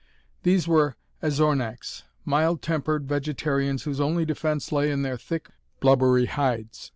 These were azornacks, mild tempered vegetarians whose only defense lay in their thick, blubbery hides.